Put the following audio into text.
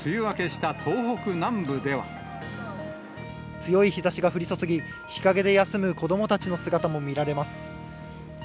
強い日ざしが降り注ぎ、日陰で休む子どもたちの姿も見られます。